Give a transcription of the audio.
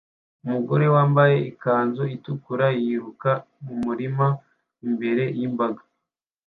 Umugore wambaye ikanzu itukura yiruka mu murima imbere yimbaga